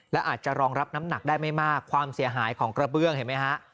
และอาจจะรองรับน้ำหนักได้ไม่มากความเสียหายของกระเบื้องเห็นไหมฮะ